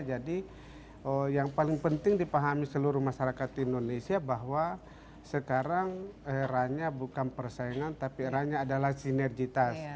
jadi yang paling penting dipahami seluruh masyarakat indonesia bahwa sekarang eranya bukan persaingan tapi eranya adalah sinergitas